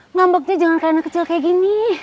ngambeknya jangan kena kecil kayak gini